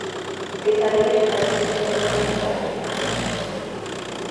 Vocês sabem que as frases precisam soar naturais, não é?